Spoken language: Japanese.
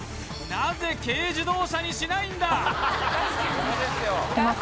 なぜ軽自動車にしないんだ？